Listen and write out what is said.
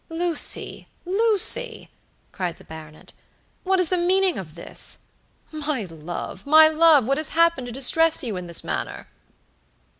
"Lucy, Lucy!" cried the baronet, "what is the meaning of this? My love, my love! what has happened to distress you in this manner?"